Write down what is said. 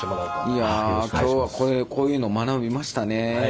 いや今日はこれこういうのを学びましたね。